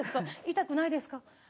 痛くないですか？